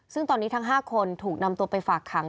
ซึ่งตอนนี้ทั้ง๕คนถูกนำตัวไปฝากขัง